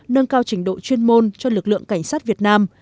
nâng cao trình độ chuyên môn cho lực lượng cảnh sát việt nam